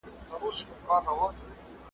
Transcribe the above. خدایه کله به یې واورم د بابا له مېني زېری .